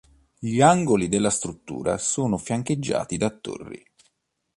Gli angoli della struttura sono fiancheggiati da torri.